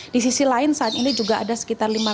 di sisi lain saat ini juga ada sekitar